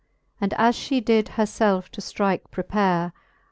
And as fhe did her felfe to ftrike prepare.